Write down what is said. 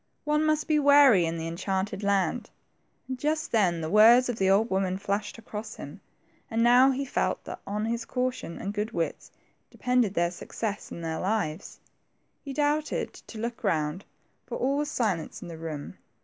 One must be wary in the en chanted land, and just then the words of the old woman flashed across him, and now he felt that on his caution and good wits depended their success and their lives. He doubted to look round, for all was silence in the room.